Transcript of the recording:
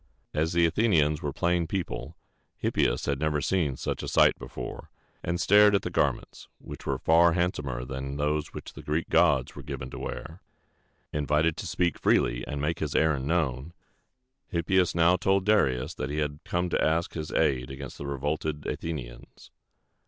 As the Athenians were plain people, Hippias had never seen such a sight before, and stared at the garments, which were far handsomer than those which the Greek gods were given to wear. Invited to speak freely and make his errand known, Hippias now told Darius that he had come to ask his aid against the revolted Athenians.